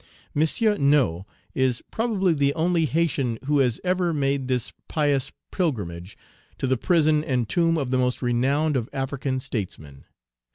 M. Nau is probably the only Haytian who has ever made this pious pilgrimage to the prison and tomb of the most renowned of African statesmen.